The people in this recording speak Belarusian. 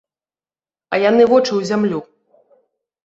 А яны вочы ў зямлю.